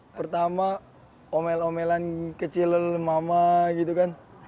yang pertama omel omelan kecil mama gitu kan